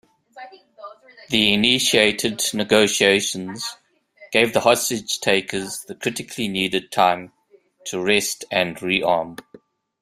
The initiated negotiations gave the hostage-takers the critically needed time to rest and rearm.